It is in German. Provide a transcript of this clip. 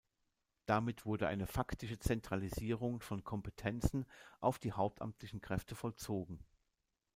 Damit wurde eine faktische Zentralisierung von Kompetenzen auf die hauptamtlichen Kräfte vollzogen.